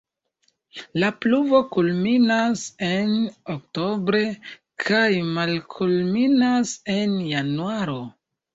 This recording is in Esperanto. La pluvo kulminas en oktobre kaj malkulminas en januaro.